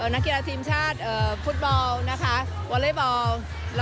นักกีฬาทีมชาติฟุตบอลแลยบอล